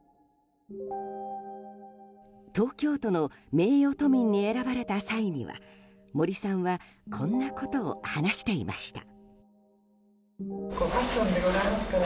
東京都の名誉都民に選ばれた際には森さんはこんなことを話していました。